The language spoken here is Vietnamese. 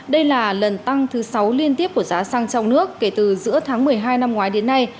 đây là lần tăng thứ sáu liên tiếp của giá xăng trong nước kể từ giữa tháng một mươi hai năm ngoái đến nay